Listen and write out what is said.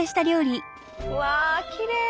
うわきれい。